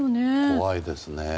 怖いですね。